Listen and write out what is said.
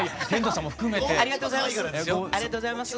ありがとうございます。